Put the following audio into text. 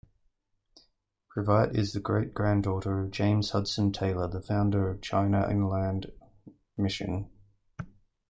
Previte is the great-granddaughter of James Hudson Taylor, the founder of China Inland Mission.